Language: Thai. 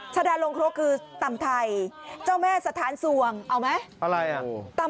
ชะดาลงครกคือต่ำไทยเจ้าแม่สะทานสวงเอาไหม